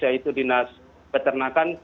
yaitu dinas peternakan